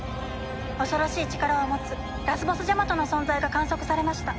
恐ろしい力を持つラスボスジャマトの存在が観測されました」